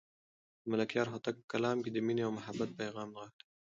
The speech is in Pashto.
د ملکیار هوتک په کلام کې د مینې او محبت پیغام نغښتی دی.